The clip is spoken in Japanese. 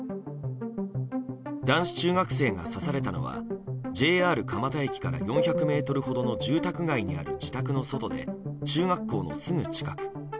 男子生徒が刺されたのはＪＲ蒲田駅から４００ｍほどの住宅街にある自宅の外で中学校のすぐ近く。